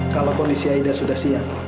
kalau kondisi aida sudah siap